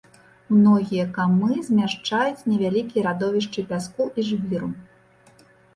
Многія камы змяшчаюць невялікія радовішчы пяску і жвіру.